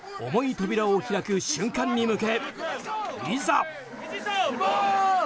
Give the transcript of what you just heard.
扉を開く瞬間に向けいざ！